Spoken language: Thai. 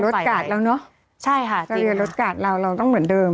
แต่เราก็ลดกากเราเนอะเราต้องเหมือนเดิม